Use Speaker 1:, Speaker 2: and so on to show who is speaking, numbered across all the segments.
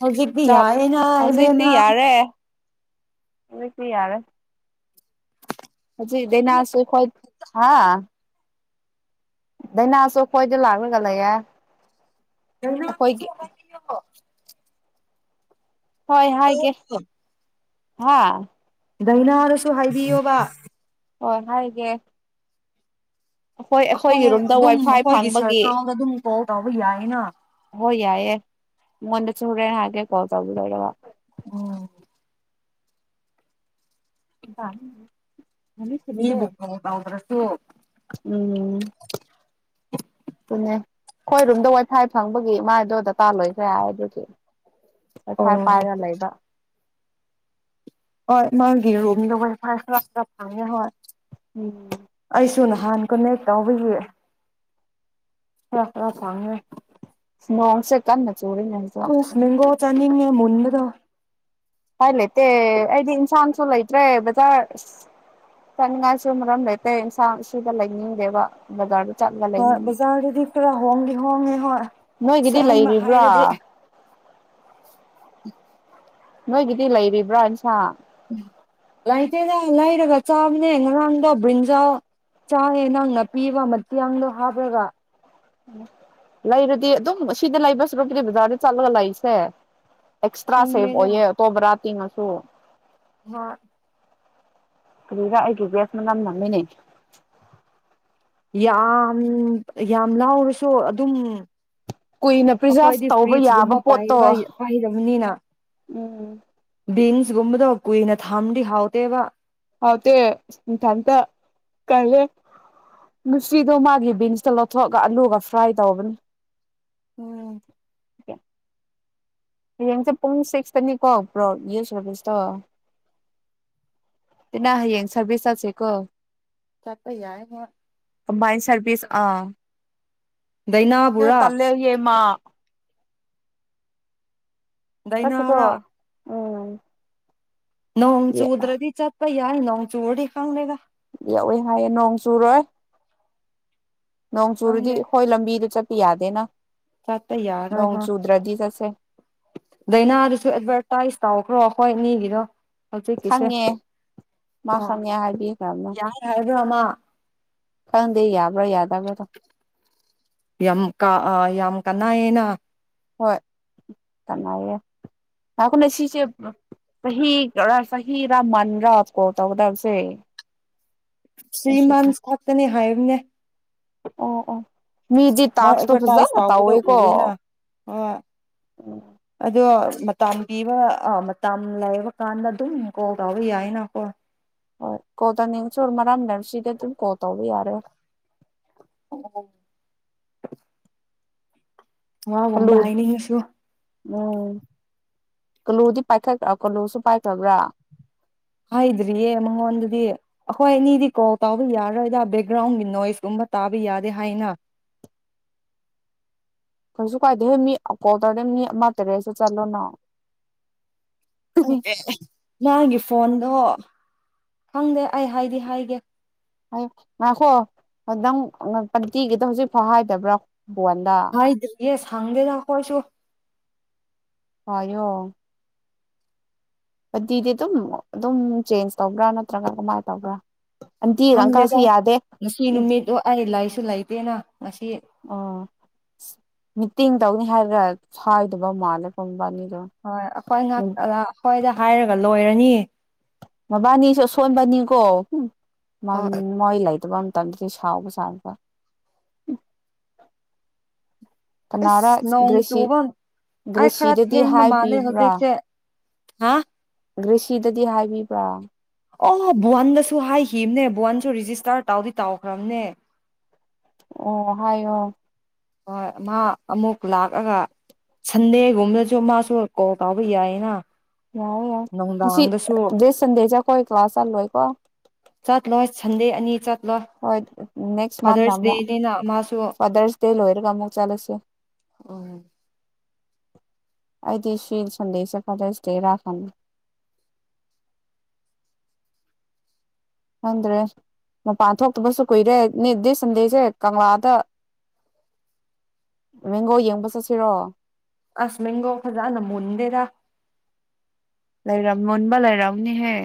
Speaker 1: ꯍꯧꯖꯤꯛꯗꯤ
Speaker 2: ꯆꯞ
Speaker 1: ꯌꯥꯌꯦꯅꯥ
Speaker 2: ꯍꯧꯖꯤꯛꯇꯤ
Speaker 1: ꯏꯕꯦꯝꯅꯥ
Speaker 2: ꯌꯥꯔꯦ ꯍꯧꯖꯤꯛꯇꯤ ꯌꯥꯔꯦ ꯍꯧꯖꯤꯛ ꯗꯩꯅꯥꯁꯨ ꯈꯣꯏ ꯍꯥ ꯗꯥꯏꯅꯥꯁꯨ ꯑꯩꯈꯣꯏꯗ ꯂꯥꯛꯂꯒ ꯂꯩꯌꯦ꯫
Speaker 1: ꯗꯥꯏꯅꯥꯗꯁꯨ
Speaker 2: ꯑꯩꯈꯣꯏꯒꯤ
Speaker 1: ꯍꯥꯏꯕꯤꯌꯣ
Speaker 2: ꯍꯣꯏ ꯍꯥꯏꯒꯦ ꯍꯥꯥ
Speaker 1: ꯗꯢꯅꯥꯗꯨꯁꯨ ꯍꯥꯏꯕꯤꯌꯣꯕ
Speaker 2: ꯍꯣꯏ ꯍꯥꯏꯒꯦ ꯑꯩꯈꯣꯏ ꯑꯩꯈꯣꯏꯒꯤ ꯔꯨꯝꯗ
Speaker 1: ꯑꯗꯨꯝ
Speaker 2: ꯋꯥꯏꯐꯥꯏ
Speaker 1: ꯑꯩꯈꯣꯏꯒꯤ
Speaker 2: ꯐꯥꯡꯕꯒꯤ
Speaker 1: ꯁꯔꯀꯥꯔꯗ ꯑꯗꯨꯝ ꯀꯣꯜ ꯇꯧꯕ ꯌꯥꯌꯦꯅꯥ
Speaker 2: ꯍꯣꯏ ꯌꯥꯢꯌꯦ ꯃꯉꯣꯟꯗꯁꯨꯨ ꯍꯣꯔꯦꯟ ꯍꯥꯢꯒꯦ ꯀꯣꯜ ꯇꯧꯕ ꯂꯣꯢꯔꯒ
Speaker 1: ꯎꯝ
Speaker 2: [inaudible]
Speaker 1: [unintelligible] [unintelligible]
Speaker 2: ꯎꯝ ꯑꯗꯨꯅꯦ ꯑꯩꯈꯣꯏꯔꯨꯝꯗ ꯋꯥꯊꯥꯏ ꯐꯪꯕꯒꯤ ꯃꯥꯏꯗꯣ ꯗꯇꯥ ꯂꯣꯏꯒ꯭ꯔꯦ ꯍꯥꯏꯕꯒꯤ ꯋꯥꯢ ꯐꯥꯢ
Speaker 1: ꯑꯣ
Speaker 2: ꯄꯥꯏꯔ ꯂꯩꯕ
Speaker 1: ꯍꯣꯢ ꯃꯥꯒꯤ ꯔꯨꯗꯒ ꯋꯥꯢ ꯐꯥꯢ ꯈꯔ ꯐꯪꯉꯦ ꯍꯥꯢ
Speaker 2: ꯎꯝ
Speaker 1: ꯇꯨ ꯅꯍꯥꯟ ꯀꯅꯦꯛ ꯇꯧꯕꯒꯤ ꯈ꯭ꯔ ꯈ꯭ꯔ ꯐꯪꯉꯦ
Speaker 2: ꯅꯣꯡꯁꯦ ꯀꯟꯅ ꯆꯨꯔꯦ [unintelligible]
Speaker 1: ꯆꯅꯤꯡꯅꯦ ꯃꯨꯟꯅꯗ
Speaker 2: ꯍꯥꯏ ꯂꯩꯇꯦ ꯑꯩꯗꯤ ꯏꯟꯁꯥꯡꯁꯨ ꯂꯩꯇ꯭ꯔꯦ ꯕꯖꯥꯔ ꯆꯠꯅꯤꯡꯉꯥꯏꯁꯨ ꯃꯔꯝ ꯂꯩꯇꯦ ꯏꯟꯁꯥꯡ ꯁꯤꯗ ꯂꯩꯅꯤꯡꯗꯦꯕ ꯕꯖꯥꯔꯗꯨ
Speaker 1: ꯍꯣꯏ ꯕꯖꯥꯔꯗꯗꯤ ꯈꯔ ꯍꯣꯡꯗꯤ ꯍꯣꯡꯉꯦ ꯍꯣꯏ
Speaker 2: ꯅꯣꯏꯒꯤꯗꯤ
Speaker 1: ꯁꯕ
Speaker 2: ꯂꯩꯔꯤꯕ꯭ꯔꯥ
Speaker 1: ꯍꯥꯏꯔꯗꯤ ꯎ
Speaker 2: ꯅꯣꯏꯒꯤꯗꯤ ꯂꯩꯔꯤꯕ꯭ꯔꯥ ꯏꯟꯁꯥ
Speaker 1: ꯂꯩꯇꯦꯗ ꯂꯩꯔꯒ ꯆꯥꯕꯅꯦ ꯉꯔꯥꯡꯗꯣ ꯕ꯭ꯔꯤꯟꯖꯥꯎ ꯆꯥꯌꯦ ꯅꯪ ꯅꯥꯄꯤꯕ ꯃꯇꯤꯌꯥꯗꯣ ꯍꯥꯞꯂꯒ
Speaker 2: ꯂꯩꯔꯗꯤ ꯑꯗꯨꯝ ꯁꯤꯗ ꯂꯩꯕꯁꯤꯔꯨꯛꯇꯤ ꯑꯗꯨꯗꯤ ꯕꯖꯥꯔꯗ ꯆꯠꯂꯒ ꯂꯩꯁꯦ ꯑꯦꯛꯁꯇ꯭ꯔꯥ ꯁꯦꯐ
Speaker 1: ꯈꯪꯗꯦꯗ
Speaker 2: ꯑꯣꯏꯌꯦ ꯇꯣꯕꯔꯥ ꯇꯤꯉꯁꯨ
Speaker 1: ꯍꯥ
Speaker 2: ꯀꯔꯤꯗ ꯑꯩꯒꯤꯖꯦ ꯃꯅꯝ ꯅꯝꯃꯤꯅꯦ
Speaker 1: ꯌꯥ ꯎꯝ ꯌꯥꯝ ꯂꯥꯎꯔꯁꯨ ꯁꯣ ꯑꯗꯨꯝ
Speaker 2: ꯀꯨꯏꯅ ꯄ꯭ꯔꯤꯖꯥꯕ
Speaker 1: ꯑꯈꯣꯏꯗꯤ
Speaker 2: ꯇꯧꯕ ꯌꯥꯕ
Speaker 1: ꯐ꯭ꯔꯨꯏꯠꯁꯀꯨꯝꯕ
Speaker 2: ꯄꯣꯠꯇꯣ
Speaker 1: ꯄꯥꯏꯗꯕꯩ ꯄꯥꯏꯗꯕꯅꯤꯅ
Speaker 2: ꯎꯝ
Speaker 1: ꯕꯤꯟꯁ ꯀꯨꯝꯕꯗꯣ ꯀꯨꯏꯅ ꯊꯝꯗꯤ ꯍꯥꯎꯇꯦꯕ
Speaker 2: ꯍꯥꯎꯇꯦ ꯏꯊꯝꯇ ꯀꯜꯂꯦ ꯉꯨꯁꯤꯗꯣ ꯃꯥꯒꯤ ꯕꯤꯟꯁꯇ ꯂꯧꯊꯣꯛꯑꯒ ꯑꯂꯨꯒ ꯐ꯭ꯔꯥꯏ ꯇꯧꯕꯅꯤ
Speaker 1: ꯎꯝ
Speaker 2: ꯍꯌꯦꯡꯁꯦ ꯄꯨꯡ ꯁꯤꯛꯁꯇꯅꯤꯀꯣ ꯕ꯭ꯔꯣ ꯌꯨ ꯁꯔꯚꯤꯁꯇꯣ ꯑꯗꯨꯅ ꯍꯌꯦꯡ ꯁꯔꯚꯤꯁ ꯆꯠꯁꯤꯀꯣ
Speaker 1: ꯆꯠꯄ ꯌꯥꯏ ꯍꯣꯏ
Speaker 2: ꯀꯝꯕꯥꯏꯟ ꯁꯔꯚꯤꯁꯁ ꯑꯥ ꯑ
Speaker 1: ꯗꯥꯏꯅꯥꯕꯨꯔꯥ
Speaker 2: ꯇꯂꯦꯌꯦ ꯃꯥ ꯆꯠꯁꯤꯀꯣ
Speaker 1: ꯗꯩꯅꯔ
Speaker 2: ꯎꯝ
Speaker 1: ꯅꯣꯡ ꯆꯨꯗꯔꯗꯤ ꯆꯠꯄ ꯌꯥ ꯏ ꯅꫭꯡ ꯆꯣꯔꯗꯤ ꯈꯪꯗꯦꯗ
Speaker 2: ꯌꯥꯎꯋꯦ ꯍꯥꯏꯌꯦ ꯅꯣꯡ ꯆꯨꯔꯣꯏ ꯅꯣꯡ ꯆꯨꯨꯔꯗꯤ ꯍꯣꯏ ꯂꯝꯕꯤꯗ ꯆꯠ ꯄꯌꯥꯗꯦꯅ
Speaker 1: ꯆꯠꯇ ꯌꯥꯔꫭꯏ ꯐ
Speaker 2: ꯆꯠꯁꯦ
Speaker 1: ꯗꯩꯅꯥꯗꯨꯁꯨ ꯑꯦꯗꯚꯔꯥꯏꯁ ꯇꯧꯈ꯭ꯔꯣ ꯍꯣꯏ ꯅꯒꯤꯗꯣ ꯍꯧꯖꯤꯛꯀꯤꯁꯦ
Speaker 2: ꯈꯪꯉꯦ ꯃꯥ ꯈꯪꯉꯦ ꯍꯥꯏꯕꯤꯈ꯭ꯔꯕꯅꯦ
Speaker 1: ꯌꯥꯔꯦ ꯍꯥꯏꯕ꯭ꯔꯃ
Speaker 2: ꯀꯪꯗꯦ ꯌꯥ
Speaker 1: ꯌꯥꯝ ꯀꯥ ꯌꯥꯝ ꯀꯅꯩ ꯌꯦꯅ
Speaker 2: ꯍꯣꯏ ꯀꯅꯥꯥꯏꯌꯦ ꯉꯥꯏꯈꫭꯅꯦ ꯁꯤꯁꯦ ꯆꯍꯤꯔ ꯆꯍꯤꯔ ꯃꯟꯔꯥ ꯀꯣ ꯇꯧꯒꯗꯕꯁꯦ
Speaker 1: ꯊ꯭ꯔꯤ
Speaker 2: ꯑꯩꯁꯨ
Speaker 1: ꯃꯟꯁ ꯈꯛꯇꯅꯦ ꯍꯥꯏꯌꯥꯏꯕꯅꯦ
Speaker 2: ꯑꯣ ꯑꯣ ꯃꯤꯗꯤ
Speaker 1: ꯃꯣꯏ
Speaker 2: ꯇꯥꯛꯁꯇꯣ
Speaker 1: ꯑꯦꯗꯚꯔꯇꯥꯏꯁ
Speaker 2: ꯐꯖꯅ
Speaker 1: ꯇꯧꯕꯗꯣ
Speaker 2: ꯇꯧꯋꯦꯀꯣ
Speaker 1: ꯎꯋꯦꯅ ꯍꯣꯏ
Speaker 2: ꯎꯝ
Speaker 1: ꯑꯗꯣ ꯃꯇꯝ ꯄꯤꯕ ꯑꯥ ꯃꯇꯝ ꯂꯩꯕ ꯀꯥꯟꯗ ꯑꯗꯨꯝ ꯀꯣꯜ ꯇꯧꯕ ꯌꯥꯏꯅꯀꯣ
Speaker 2: ꯍꫭꯏ ꯀꯣꯜꯇꯧꯅꯥꯡ ꯉꯁꯨ ꯃꯔꯝꯂꯩꯔꯁꯨ ꯁꯤꯗ ꯑꯗꯨꯝ ꯀꯣꯜ ꯇꯧꯕ ꯌꯥꯔꯦ ꯑꯂꯨ
Speaker 1: ꯋꯥꯒꯝꯕ ꯍꯥꯏꯅꯤꯡꯉꯁꯨ
Speaker 2: ꯎꯝ ꯀꯜꯂꯨꯗꯤ ꯄꯥꯏꯈꯈ꯭ꯔꯥ ꯀꯣꯜꯂꯨꯁꯨ ꯄꯥꯏꯈꯕ꯭ꯔꯥ
Speaker 1: ꯍꯥꯏꯗ꯭ꯔꯤꯌꯦ ꯃꯉꯣꯟꯗꯗꯤ ꯑꯩꯈꯣꯏ ꯑꯅꯤꯗꯤ ꯀꯣꯜ ꯇꯥꯎꯕ ꯌꯥꯔꯣꯏꯗ ꯕꯦꯛꯒ꯭ꯔꯥꯎꯟꯒꯤ ꯅꯣꯏꯁꯀꯨꯝꯕ ꯇꯥꯕ ꯌꯥꯗꯦ ꯍꯥꯏꯅ
Speaker 2: ꯀꯩꯁꯨ ꯀꯥꯏꯗꯦ ꯍꯣꯏ ꯃꯤ ꯀꯣ ꯇꯔꯗꯤ ꯃꯤ ꯑꯃ ꯇꯔꯦꯠꯁꯨ ꯆꯠꯂꯨꯅ
Speaker 1: ꯅꯒꯤ ꯐꯣꯟꯗꯣ ꯈꯪꯗꯦ ꯑꯩ ꯍꯥꯏꯗꯤ ꯍꯥꯏꯒꯦ
Speaker 2: ꯉꯈꯣ ꯑꯗꯨꯪ ꯄꯟꯇꯤꯒꯤꯗ ꯍꯧꯖꯤꯛ ꯐꯥꯎ ꯍꯥꯏꯗꯕ꯭ꯔꯣ
Speaker 1: ꯍꯥꯏꯗꯔꯤ ꯌꯦꯁ ꯁꯥꯡꯗꯦ ꯅ ꯀꯣꯏꯁꯨꯁꯨ
Speaker 2: ꯑꯣ ꯑꯗꯨꯗꯤꯗꯤ ꯑꯗꯨꯝ ꯑꯗꯨꯝ ꯆꯦꯟꯖ ꯇꯧꯕ꯭ꯔꯥ ꯅꯠꯇ꯭ꯔꯒ ꯀꯃꯥꯏꯅ ꯇꯧꯕ꯭ꯔꯥ ꯑꯟꯇꯤꯒ ꯑꯪꯀꯜꯁꯨ
Speaker 1: ꯈꯪꯗꯦꯗ
Speaker 2: ꯌꯥꯗꯦ
Speaker 1: ꯉꯁꯤ
Speaker 2: ꯎꯝ
Speaker 1: ꯅꯨꯃꯤꯠꯣ ꯑꯩ ꯂꯥꯏꯁꯨ ꯂꯩꯇꯦꯅ ꯉ
Speaker 2: ꯑꯣ ꯃꯤꯇꯤꯡ ꯇꯧꯅꯤ ꯍꯥꯏꯔꯒ ꯍꯥꯏꯗꯕ ꯃꯥꯜꯂꯦ ꯄꯨꯝꯕꯅꯤ
Speaker 1: ꯍꯈꯣꯏꯅꯥ ꯑꯈꯣꯏꯗ ꯍꯥꯏꯔꯒ ꯂꯣꯏꯔꯅꯤꯌꯦ
Speaker 2: ꯃꯕꯥꯅꯤꯁꯨ ꯑꯁꯣꯟꯕꯅꯤꯀꯣ ꯃ
Speaker 1: ꯍꯣꯏ
Speaker 2: ꯃꯣꯏꯂꯥꯏ ꯃ ꯁꯥꯎꯕꯁꯥꯡꯕ
Speaker 1: ꯑꯁ ꯂꯣꯡ ꯇꯕ ꯑ ꯈꯔ
Speaker 2: ꯒ꯭ꯔꯦꯁꯤꯗꯗꯤ
Speaker 1: ꯊꯦꯡ ꯃ ꯃꯥꯂꯦ
Speaker 2: ꯍꯥꯏꯕꯤꯕ꯭ꯔꯥ
Speaker 1: ꯍꯧꯖꯤꯁꯦ ꯍꯥ
Speaker 2: ꯒꯔꯤꯁꯤꯗꯗꯤ ꯍꯥꯏꯕꯤꯕ꯭ꯔꯥ
Speaker 1: ꯑꯣ ꯚꯨꯟꯗꯁꯨ ꯍꯥꯏꯈꯤꯕꯅꯦ ꯚꯨꯍꯟꯁꯨ ꯔꯤꯖꯤꯁꯇꯥꯔ ꯇꯥꯎꯗꯤ ꯇꯥꯎꯈ꯭ꯔꯕꯅꯦ
Speaker 2: ꯑꯣ ꯍꯥꯏꯣ
Speaker 1: ꯍꯣꯏ ꯃꯥ ꯑꯃꯨꯛ ꯂꯥꯛꯑꯒ ꯁꯟꯗꯦꯒꯨꯝꯕꯗꯁꯨ ꯃꯥꯁꯨ ꯀꯣꯜ ꯀꯥꯎꯕ ꯌꯥꯏꯅ
Speaker 2: ꯌꯥꯔ
Speaker 1: ꯅꯨꯡꯗꯥꯡꯗꯁꯨ
Speaker 2: ꯌꯥ ꯁꯤ ꯟꯗꯦ ꯆ ꯀꯣꯏ ꯀ ꯀ꯭ꯂꯥꯁ ꯍꯜꯂꯣ ꯀꯣ
Speaker 1: ꯆꯠ ꯂꯣꯏ ꯊꯟꯦꯅꯤ ꯏ ꯆ
Speaker 2: ꯍꯣꯏ ꯅꯦꯛꯁ ꯃꯟꯟꯅ ꯑꯃꯨꯛ
Speaker 1: ꯗꯦꯅꯤꯅ ꯃꯥꯁꯨ
Speaker 2: ꯐꯥꯗꯔꯁ ꯗꯦ ꯂꯣꯏꯔꯒ ꯑꯃꯨꯛ ꯆꯠꯂꯁꯤ
Speaker 1: ꯑꯣ
Speaker 2: ꯑꯩꯗꯤꯤꯁꯜ ꯁꯟꯗꯦꯁ ꯐꯗꯁꯇꯦ ꯔꯥꯈꯅꯤ ꯈꯪꯗ꯭ꯔꯦ ꯃꯄꯥꯟ ꯊꯣꯛꯇꯕꯁꯨ ꯀꯨꯏꯔꯦ ꯅꯠ ꯗꯦ ꯁꯟꯗꯦꯁꯦ ꯀꯪꯂꯥꯗ ꯃꯦꯡꯒꯣ ꯌꯦꯡꯕ ꯆꯠꯁꯤꯔꯣ
Speaker 1: ꯑꯁ ꯃꯒ ꯍꯈꯗ ꯅꯝꯃꯟꯦꯗ
Speaker 2: ꯂꯥꯏꯔꯝ ꯃꯅꯨꯡꯕ ꯂꯥꯏꯔꯝꯅꯤꯍꯦ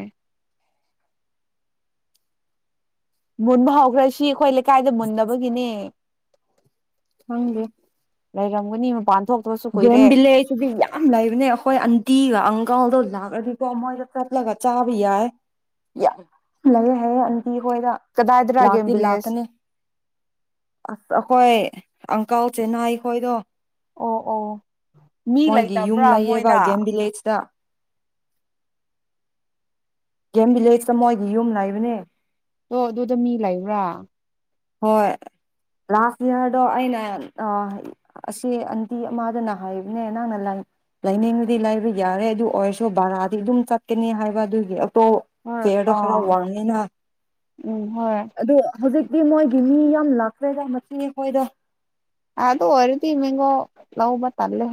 Speaker 2: ꯃꯨꯟꯕ ꯍꯧꯈ꯭ꯔ ꯁꯤ ꯑꯩꯈꯣꯏ ꯂꯩꯀꯥꯏꯗ ꯃꯨꯟꯟꯅꯕꯒꯤꯅꯦ
Speaker 1: ꯍꯪ
Speaker 2: ꯂꯩꯔꯝꯒꯅꯤ ꯃꯄꯥꯟ ꯊꯣꯛ
Speaker 1: ꯒ꯭ꯔꯦꯝ ꯕꯤꯂꯦꯖꯁꯤꯗꯤ ꯌꯥꯝ ꯂꯩꯕꯅꯦ ꯑꯩꯈꯣꯏ ꯑꯟꯇꯤꯒ ꯑꯪꯀꯜꯗꯣ ꯂꯒꯗꯤ ꯀ ꯃ ꯆꯄꯂꯒ ꯆꯕ ꯌꯥꯏ ꯌꯥ ꯂꯩꯔꯦ ꯍꯥꯏꯌꯦꯡ ꯑꯟꯇꯤ ꯑꯩꯈꯣꯏꯗ
Speaker 2: ꯀꯗꯥꯏꯗꯔꯥ ꯒꯦꯝ
Speaker 1: ꯂꯥꯛꯇꯤ
Speaker 2: ꯚꯤꯂꯦꯖ
Speaker 1: ꯂꯥꯛꯀꯅꯤ ꯑꯁ ꯑꯩꯈꯣꯏ ꯑꯪꯀꯜ ꯆꯦꯅꯥꯍ ꯑꯩꯈꯣꯏꯗꯣ
Speaker 2: ꯑꯣ ꯑꯣ ꯃꯤ
Speaker 1: ꯌꯨꯝ
Speaker 2: ꯂꯩꯇꯕ꯭ꯔꯥ
Speaker 1: ꯂꯩꯌꯦꯕ
Speaker 2: ꯃꯣꯏꯗ
Speaker 1: ꯒꯦꯝ ꯚꯤꯂꯦꯖꯇ ꯒꯦꯝ ꯚꯤꯂꯦꯖꯇ ꯃꯣꯏꯒꯤ ꯌꯨꯝ ꯂꯩꯕꯅꯦ
Speaker 2: ꯑꯣ ꯑꯗꯨꯗ ꯃꯤ ꯂꯩꯕ꯭ꯔꯥ
Speaker 1: ꯍꯣꯏ ꯂꯥꯁ ꯏꯌꯥꯔꯗꯣ ꯑꯩꯅ ꯑꯁꯤ ꯑꯟꯇꯤ ꯑꯃꯥꯗꯅ ꯍꯥꯏꯕꯅꯦ ꯅꯪꯅ ꯂꯥꯏꯅꯤꯡꯕꯗꯤ ꯂꯥꯏꯕ ꯌꯥꯔꯦ ꯑꯗꯨ ꯑꯣꯏꯔꯁꯨ ꯕꯔꯥꯗꯤ ꯑꯗꯨꯝ ꯆꯠꯀꯅꯤ ꯍꯥꯏꯕ ꯑꯗꯨꯒꯤ ꯇꯣ
Speaker 2: ꯍꯣꯏ
Speaker 1: ꯆꯤꯌꯔꯗꯣ ꯈꯔ
Speaker 2: ꯑꯥ
Speaker 1: ꯋꯥꯡꯉꯦꯅ
Speaker 2: ꯎꯝ ꯍꯣꯏ
Speaker 1: ꯑꯗꯨ ꯍꯧꯖꯤꯛ ꯃꯣꯏꯒꯤ ꯃꯤ ꯌꯥꯝ ꯂꯥꯛꯈ꯭ꯔꯦꯗ ꯃꯇꯦ ꯑꯩꯈꯣꯏꯗ
Speaker 2: ꯑꯗ ꯑꯣꯏꯗꯤ ꯏ ꯃꯒꯣ ꯂꯥꯎꯕ ꯇꯂꯦ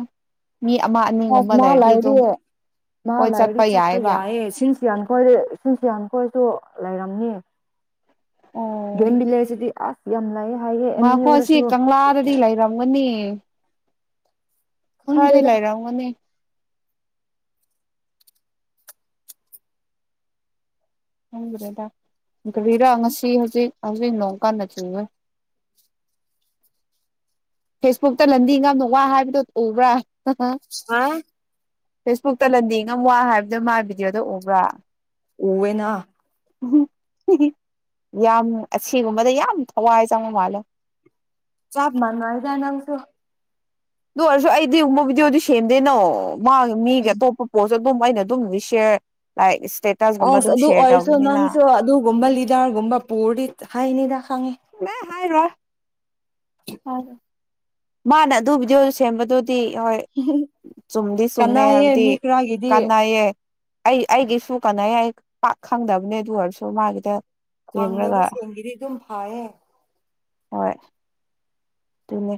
Speaker 1: ꯑ ꯃꯥ ꯂꯥꯛꯑꯗꯤꯌꯦ ꯃꯥ
Speaker 2: ꯍꯣꯏ
Speaker 1: ꯂꯑꯗꯤ ꯆꯠꯄ
Speaker 2: ꯌꯥꯏꯑꯕ
Speaker 1: ꯌꯥꯏꯌꯦ ꯁꯤ ꯁꯤꯌꯥꯟꯈꯣꯏ ꯏꯁꯤꯡꯁꯤꯌꯥꯟꯈꯣꯏꯁꯨ ꯂꯩꯔꯝꯅꯤ ꯒꯝ ꯕꯤꯜꯂꯦꯜ ꯁꯤꯗꯤ ꯌꯥꯝ ꯂꯥꯏꯏꯌꯦ
Speaker 2: ꯃꯈꯣ ꯁꯤ ꯀꯪꯂꯥꯗꯗꯤ ꯂꯩꯔꯝꯒꯅꯤ [inaudible] [unintelligible] ꯈꯥꯅꯤ
Speaker 1: ꯈꯪꯗ꯭ꯔꯦꯗ
Speaker 2: ꯂꯩꯥꯏꯔꯅꯤ ꯈꯪ꯭ꯔꯦꯗ ꯀꯕꯤꯔꯥ ꯉꯁꯤ ꯍꯧꯖꯤꯛ ꯍꯧꯖꯤꯛ ꯅꯣꯡꯀꯥꯟꯗ ꯆꯤꯡꯉꯣꯏ ꯐꯦꯁꯕꯨꯛꯇ ꯂꯟꯗꯤ ꯉꯅ ꯋꯥ ꯍꯥꯏꯕꯗꯨꯣ ꯎꯕ꯭ꯔꯥ
Speaker 1: ꯍꯥ
Speaker 2: ꯐꯦꯁꯕꯨꯛꯇ ꯂꯟꯗꯤ ꯉꯝ ꯋꯥ ꯍꯥꯏꯕꯗꯣ ꯃꯥ ꯚꯤꯗꯤꯑꯣꯗꯣ ꯎꯕ꯭ꯔꯥ
Speaker 1: ꯎ ꯌꯦꯅ
Speaker 2: ꯌꯥꯝ ꯑꯁꯤꯒꯨꯝꯕꯗ ꯌꯥꯝ ꯊꯋꯥꯏ ꯆꯪꯕ ꯃꯥꯜꯂꯦ
Speaker 1: ꯆꯥꯄ ꯃꯥꯅ ꯍꯥꯏꯗꯅꯅꯥꯁꯨ
Speaker 2: ꯑꯗꯨ ꯑꯣꯏꯔꯁꯨ ꯑꯩꯗꯤꯕ ꯚꯤꯗꯤꯑꯣꯗꯤ ꯁꯦꯝꯗꯦꯅꯣ ꯃꯥꯒꯤ ꯃꯤꯒꯤ ꯑꯇꯣꯞꯄ ꯄꯣꯠ ꯑꯗꯨꯝ ꯑꯩꯅ ꯑꯗꯨꯝ ꯔ ꯂꯥꯏꯛ ꯏꯁꯇꯦꯇꯁꯒꯨꯝꯕ
Speaker 1: ꯑꯁ
Speaker 2: ꯑꯗꯨꯝ
Speaker 1: ꯑꯗꯨ
Speaker 2: ꯁꯤꯌꯔ
Speaker 1: ꯑꯣꯏꯔꯁꯨ
Speaker 2: ꯇꯧꯕꯅꯤꯅ
Speaker 1: ꯅꯪꯁꯨ ꯑꯗꯨꯒꯨꯝꯕ ꯂꯤꯗꯔꯒꯨꯝꯕ ꯄꯨꯔꯤ ꯍꯥꯏꯅꯤꯗ ꯈꯪꯉꯦ
Speaker 2: ꯑꯦ ꯍꯥꯏꯥꯏ ꯔ ꯍ ꯃꯥꯅ ꯑꯗꯨꯕꯨꯗꯨꯣ ꯁꯦꯝꯕꯗꯣ ꯁꯤꯤ ꯍꯣꯏ ꯆꯨꯝꯗꯤ ꯆꯨꯝꯃꯦ
Speaker 1: ꯀꯅꯥꯏꯌꯦ
Speaker 2: ꯍꯥꯏꯕꯗꯤ
Speaker 1: ꯃꯤ ꯈꯔꯒꯤꯗꯤ
Speaker 2: ꯀꯥꯟꯅꯩꯌꯦ ꯑꯩ ꯑꯩꯒꯤꯁꯨ ꯀꯟꯅ ꯌꯥꯏ ꯄꯥꯛ ꯈꯪꯗꯕꯅꯦ ꯑꯗꯨ ꯑꯣꯏꯔꯁꯨ ꯃꯥꯒꯤꯗ
Speaker 1: ꯐꯪꯗꯕ
Speaker 2: ꯌꯦꯡꯂꯒ
Speaker 1: ꯁꯦꯡꯒꯤꯗꯤ ꯑꯗꯨꯝ ꯍꯥꯏꯌꯦ
Speaker 2: ꯍꯣꯏ ꯑꯗꯨꯅꯦ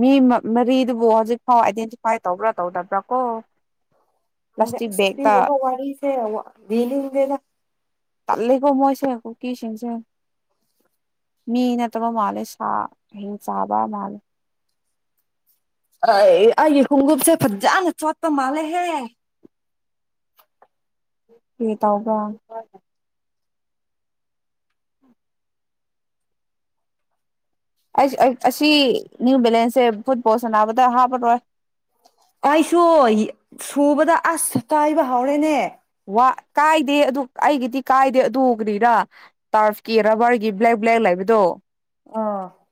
Speaker 2: ꯃꯤ ꯃꯔꯤꯗꯨꯕꯨ ꯍꯧꯖꯤꯛꯐꯥꯎ ꯑꯥꯏꯗꯦꯟꯇꯤꯐꯥꯏ ꯇꯧꯕ꯭ꯔꯥ ꯇꯧꯗꯕ꯭ꯔꯥ ꯀꯣ ꯄ꯭ꯂꯥꯁꯇꯤꯛ ꯕꯦꯒꯇ
Speaker 1: ꯐ ꯋꯥꯔꯤ ꯂꯒꯦꯗ
Speaker 2: ꯇꯜꯂꯀꯣ ꯃꯣꯏꯁꯦ ꯀꯨꯀꯤꯁꯤꯡꯁꯦ ꯃꯤ ꯅꯠꯇꯕ ꯃꯥꯜꯂꯦ ꯁꯥ ꯍꯦꯛ ꯆꯥꯕ ꯃꯥꯜꯂꯦ
Speaker 1: ꯑ ꯑ ꯀꯨꯀꯨꯨꯞꯁꯦ ꯐꯖꯥꯅ ꯆꯣꯠꯄ ꯃꯥꯂꯦ ꯍꯦ
Speaker 2: ꯀꯦ ꯇꯥꯎꯕ꯭ꯔ ꯑꯩ ꯑꯁꯤ ꯅ꯭ꯌꯨ ꯕꯦꯂꯦꯟꯁꯦ ꯐꯨꯠꯕꯣꯜ ꯁꯅꯕꯗ ꯍꯥꯞꯄꯔꯣꯏ
Speaker 1: ꯑꯩꯁꯨꯣ ꯊꯨꯕꯗ ꯑꯁ ꯇꯥꯏꯕ ꯍꯧꯔꯦꯅꯦ
Speaker 2: ꯀꯥꯏꯗꯦ ꯑꯗꯨ ꯑꯩꯒꯤꯗꯤ ꯀꯥꯏꯗꯦ ꯑꯗꯨꯅꯤꯅ ꯇꯔꯐꯀꯤ ꯔꯕꯔꯒꯤ ꯕ꯭ꯂꯦꯛ ꯕ꯭ꯂꯦꯛ ꯂꯩꯕꯗꯣ
Speaker 1: ꯑ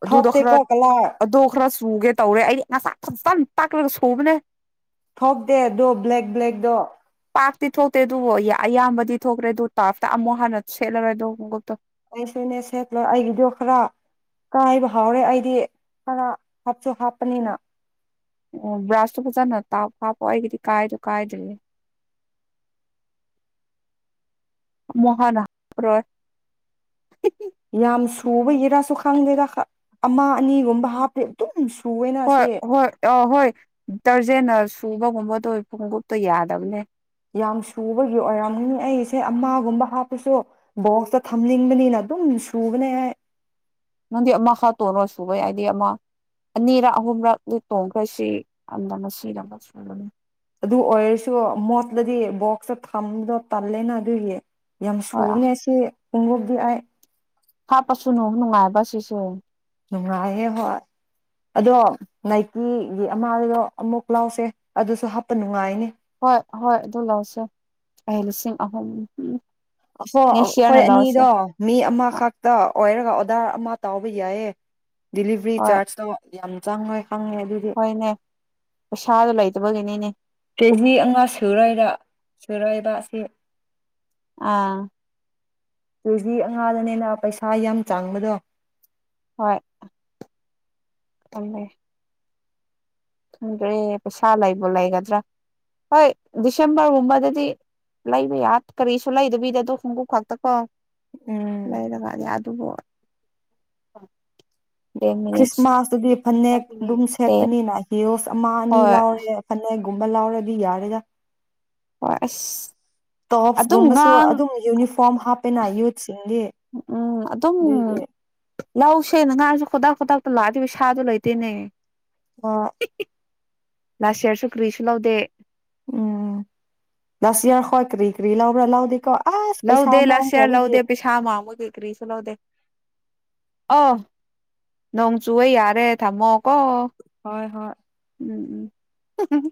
Speaker 1: ꯊꯣꯛꯇꯦ ꯀꯣꯀꯂ
Speaker 2: ꯆꯨꯒꯦ ꯇꯧꯔꯦ ꯑꯩꯗꯤ ꯉꯁꯥꯛ ꯐꯖꯅ ꯇꯥꯛꯈ꯭ꯔꯒ ꯁꯨꯕꯅꯦ
Speaker 1: ꯊꯣꯛꯇꯦ ꯑꯗꯨꯣ ꯕ꯭ꯂꯦꯛ ꯕ꯭ꯂꯦꯛꯗꯣ
Speaker 2: ꯇꯤ ꯊꯣꯛꯇꯦ ꯑꯗꯨꯕꯨ ꯑꯌꯥꯝꯕꯗꯤ ꯊꯣꯛꯈ꯭ꯔꯦ ꯑꯗꯨꯣ ꯇꯥꯞꯇ ꯑꯃꯨꯛ ꯍꯥꯟꯅ ꯁꯦꯠꯂꯔꯣꯏ ꯑꯗꯣ ꯣꯛꯇ
Speaker 1: ꯑꯩ ꯁꯅꯦ ꯁꯦꯠꯂꯣꯏ ꯑꯩꯒꯤꯗꯣ ꯈꯔ ꯀꯥꯏꯕ ꯍꯧꯥꯎꯔꯦ ꯑꯩꯗꯤ ꯈꯔ ꯍꯥꯞꯆꯁꯨ ꯍꯥꯞꯄꯅꯤꯅ
Speaker 2: ꯑꯣ ꯭ꯔꯥꯁꯇ ꯐꯖꯥꯅ ꯇꯥꯎ ꯍꯥꯥ ꯄ ꯑꯣꯏ ꯀꯗꯤ ꯀꯥꯏꯗꯨ ꯀꯥꯏꯗꯦ ꯃꯍꯥꯟꯒ꯭ꯔꯣꯏ
Speaker 1: ꯌꯥꯝ ꯁꯨꯕꯒꯤꯔꯁꯨ ꯈꯪꯗꯔ ꯑꯃ ꯑꯅꯤꯒꯨꯝꯕ ꯍꯥꯞ꯭ꯔꯦ ꯑꯗꯨ
Speaker 2: ꯍꯣꯏ ꯍꯣꯏ ꯑ ꯍꯣꯏ ꯗꯔꯖꯦ ꯅꯔꯁ ꯁꯨꯕꯒꯨꯝꯕꯗꯣ ꯐꯣꯡꯎꯨꯞꯇꯣ ꯌꯥꯗꯕꯅꯦ
Speaker 1: ꯌꯥꯝ ꯁꯨꯕꯒꯤ ꯑꯣꯏꯔꯝꯅꯤ ꯑꯩꯁꯦ ꯑꯃꯒꯨꯝꯕ ꯍꯥꯞꯄꯁꯨ ꯕꯣꯛꯁꯇ ꯊꯝꯅꯤꯡꯕꯅꯤꯅ ꯑꯗꯨꯝ ꯁꯨꯕꯅꯦ ꯍꯥꯏ
Speaker 2: ꯅꯪꯗꯤ ꯑꯃ ꯈꯔ ꯇꯣꯡꯉꯔꯣ ꯁꯨꯕ ꯌꯥꯏꯗꯤ ꯑꯃ ꯑꯅꯤꯔꯛ ꯑꯍꯨꯝꯔꯛ ꯂꯤ ꯇꯣꯡꯈ꯭ꯔꯦ ꯁꯤ ꯌꯥꯝꯗꯅ ꯁꯤꯔꯒ ꯁꯨꯕꯅꯤ
Speaker 1: ꯑꯗꯨ ꯑꯣꯏꯔꯁꯨ ꯃꯣꯠꯇꯗꯤ ꯕꯣꯛꯁꯇꯣ ꯊꯝꯕꯗꯣ ꯇꯜꯂꯦꯅ ꯑꯗꯨꯒꯤ ꯌꯥꯝ
Speaker 2: ꯍꯣꯏ
Speaker 1: ꯁꯨꯕꯅꯦ ꯁꯤ ꯎꯨꯡꯎꯞꯗꯤ ꯑꯩ
Speaker 2: ꯍꯥꯞꯄꯁꯨꯅꯨ ꯅꯨꯡꯉꯥꯏꯕ ꯁꯤꯁꯦ
Speaker 1: ꯅꯨꯡꯉꯥꯏꯍꯦ ꯍꯣꯏ ꯑꯗꯣ ꯅꯥꯏꯀꯤꯒꯤ ꯑꯃꯗꯣ ꯑꯃꯨꯛ ꯂꯥꯎꯁꯦ ꯑꯗꯨꯁꯨ ꯍꯥꯞꯄ ꯅꯨꯡꯉꯥꯏꯅꯤ
Speaker 2: ꯍꯣꯏ ꯍꯣꯏ ꯑꯗꯨ ꯂꯧꯥꯛꯁꯦ ꯑꯩ ꯂꯤꯁꯤꯡ ꯑꯍꯨꯝ ꯎ
Speaker 1: ꯑ ꯑꯩꯈꯣꯏ ꯑꯅꯤꯗꯣ ꯃꯤ ꯑꯃꯈꯛꯇ ꯑꯣꯏꯔꯒ ꯗꯥ ꯑꯃ ꯇꯥꯎꯕ ꯌꯥꯏꯌꯦ ꯗꯗꯤꯂꯤꯚꯔꯤ
Speaker 2: ꯍꯣꯏ
Speaker 1: ꯆꯥꯔꯖ ꯇꯣ ꯌꯥꯝ ꯆꯥꯡꯉꯣꯏ
Speaker 2: ꯍꯣꯏꯅꯦ ꯄꯩꯁꯥꯗꯨꯣ ꯂꯩꯇꯕꯒꯤꯅꯤꯅꯦ
Speaker 1: ꯀꯦ ꯖꯤ ꯑꯃ ꯁꯨꯔꯣꯏꯗ ꯁꯨꯔꯣꯏꯕ ꯑꯁꯤ
Speaker 2: ꯑꯥ
Speaker 1: ꯆꯦꯖꯤ ꯑꯉꯥꯗꯅꯦꯅ ꯄꯩꯁꯥ ꯌꯥꯝ ꯆꯥꯡꯕꯗꯣ
Speaker 2: ꯍꯣꯏ ꯇꯃꯦꯃꯦ ꯈꯪꯗ꯭ꯔꯦ ꯄꯩꯁꯥ ꯂꯩꯕ ꯂꯩꯒꯗ꯭ꯔꯥ ꯍꯣꯏ ꯗꯤꯁꯦꯝꯕꯔꯒꯨꯝꯕꯗꯗꯤ ꯂꯩꯕ ꯌꯥꯠ ꯀꯔꯤꯁꯨ ꯂꯩꯗꯕꯤꯗ ꯑꯗꯣ ꯈꯣꯡꯎꯞ ꯈꯛꯇꯀꯣ
Speaker 1: ꯎꯝ
Speaker 2: ꯂꯩꯔꯒꯅꯤ ꯑꯗꯨꯕꯨ ꯇꯦꯟ ꯃꯤꯅꯤꯠꯁ
Speaker 1: ꯈ꯭ꯔꯤꯁꯃꯥꯁꯇꯗꯤ ꯐꯅꯦꯛ ꯑꯗꯨꯝ
Speaker 2: ꯇꯦꯟ
Speaker 1: ꯁꯦꯠꯄꯅꯤꯅ ꯑꯩ ꯄꯔꯣꯁ ꯑꯃ ꯑꯅꯤ
Speaker 2: ꯍꯣꯏ
Speaker 1: ꯂꯥꯎꯔꯦ ꯐꯅ ꯨꯝꯃꯅ ꯂꯥꯎꯎꯔꯗꯤ ꯌꯥꯔꯦꯒ
Speaker 2: ꯑꯁ ꯑꯗꯨꯝ
Speaker 1: ꯇꯣꯞꯁꯀꯨꯝꯕꯁꯨ
Speaker 2: ꯉꯥꯡ
Speaker 1: ꯑꯗꯨꯝ ꯌꯨꯅꯤꯐꯣꯔꯝ ꯍꯥꯞꯄꯦꯅ ꯌꯨꯠꯁꯤꯡꯗꯤ
Speaker 2: ꯎꯝ ꯑꯗꯨꯝ
Speaker 1: ꯑꯗꯨꯒꯤ
Speaker 2: ꯂꯧꯁꯦ ꯅꯍꯥꯁꯨ ꯈꯨꯗꯥꯛ ꯈꯨꯗꯥꯛꯇ ꯂꯥꯛꯑꯗꯤ ꯄꯤꯁꯥꯗꯣ ꯂꯩꯇꯦꯅꯦ
Speaker 1: ꯑ
Speaker 2: ꯂꯦꯁꯌꯔ ꯀ꯭ꯔꯤꯁꯨꯨ ꯂꯥꯎꯗꯦ
Speaker 1: ꯎꯝ ꯗꯁ ꯌꯥꯔ ꯈꯣ ꯀꯔꯤ ꯀꯔꯤ ꯂꯑꯣꯕ꯭ꯔꯥ ꯂꯥꯑꯣꯗꯤꯀꯣ
Speaker 2: ꯂꯧꯗꯦ ꯂꯥꯁ ꯌꯥꯔ ꯂꯧꯗꯦ ꯄꯤꯁꯥꯥ ꯃꯥꯡꯕꯒꯤ ꯀ꯭ꯔꯤꯁꯨꯨꯂꯧꯗꯦ ꯑ ꯅꯣꯡ ꯆꯨꯌꯦ ꯌꯥꯔꯦ ꯊꯝꯃꯣ ꯀꯣ
Speaker 1: ꯍꯣꯏ ꯍꯣꯏ
Speaker 2: ꯍꯍꯍ